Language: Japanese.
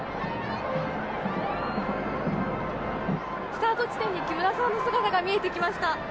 スタート地点に木村さんの姿が見えてきました。